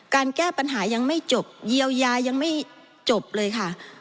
แก้ปัญหายังไม่จบเยียวยายังไม่จบเลยค่ะ